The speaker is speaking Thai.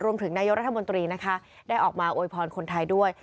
รวมถึงนโยชน์รัฐบนตรีนะคะได้ออกมาโอยพรคนไทยด้วย